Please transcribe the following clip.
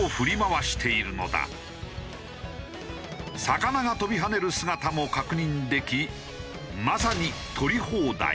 魚が跳びはねる姿も確認できまさに捕り放題。